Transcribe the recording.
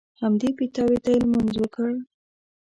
همدې پیتاوي ته یې لمونځ وکړ.